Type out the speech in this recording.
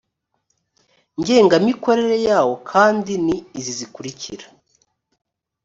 ngengamikorere yawo kandi ni izi zikurikira